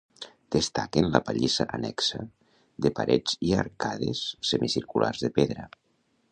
Destaquen la pallissa annexa de parets i arcades semicirculars de pedra.